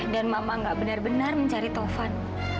dan mama nggak benar benar mencari taufan